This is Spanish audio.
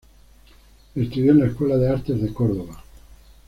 Estudió en la Escuela de Artes de Córdoba.